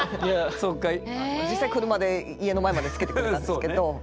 実際車で家の前までつけてくれたんですけど。